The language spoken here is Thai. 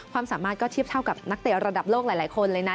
ความสามารถก็เทียบเท่ากับนักเตะระดับโลกหลายคนเลยนะ